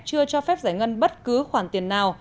chưa cho phép giải ngân bất cứ khoản tiền nào